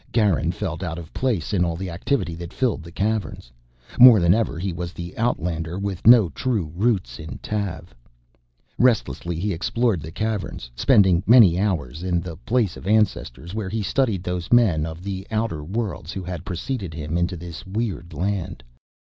Garin felt out of place in all the activity that filled the Caverns. More than ever he was the outlander with no true roots in Tav. Restlessly, he explored the Caverns, spending many hours in the Place of Ancestors, where he studied those men of the outer world who had preceded him into this weird land.